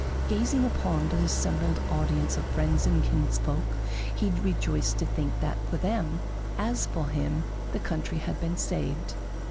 Gazing upon the assembled audience of friends and kinsfolk, he rejoiced to think that for them, as for him, the country had been saved.